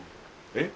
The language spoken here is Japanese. えっ？